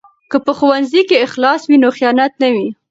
که په ښوونځي کې اخلاص وي نو خیانت نه وي.